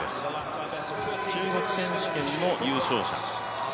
選手権の優勝者。